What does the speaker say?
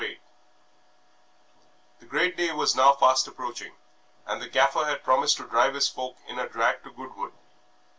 VIII The great day was now fast approaching, and the Gaffer had promised to drive his folk in a drag to Goodwood.